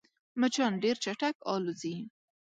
مچان ډېر چټک الوزي